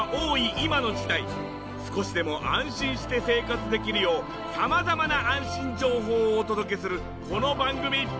今の時代少しでも安心して生活できるよう様々な安心情報をお届けするこの番組。